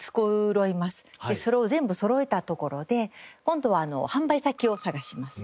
でそれを全部そろえたところで今度は販売先を探します。